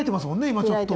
今ちょっと。